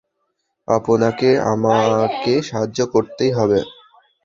আপনাকে আমাকে সাহায্য করতেই হবে!